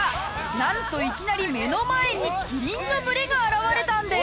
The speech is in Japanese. なんといきなり目の前にキリンの群れが現れたんです。